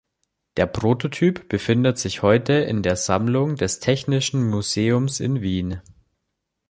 Der Prototyp befindet sich heute in der Sammlung des Technischen Museums in Wien.